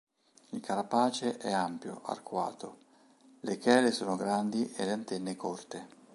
Il carapace è ampio, arcuato; le chele sono grandi e le antenne corte.